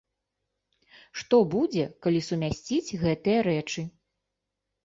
Што будзе, калі сумясціць гэтыя рэчы?